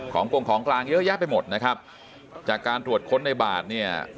กงของกลางเยอะแยะไปหมดนะครับจากการตรวจค้นในบาทเนี่ย